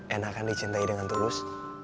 enak kan dicintai dengan terus